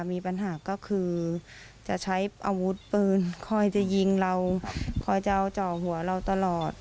มีปัญหาก็คือจะใช้อาวุธปืนคอยจะยิงเราคอยจะเอาจ่อหัวเราตลอด